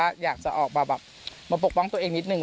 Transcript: ก็อยากจะออกมาแบบมาปกป้องตัวเองนิดนึ